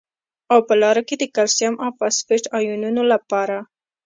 او په لاړو کې د کلسیم او فاسفیټ ایونونو لپاره